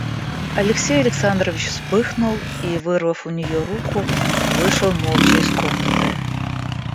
Алексей Александрович вспыхнул и, вырвав у нее руку, вышел молча из комнаты.